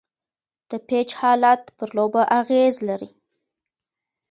د پيچ حالت پر لوبه اغېز لري.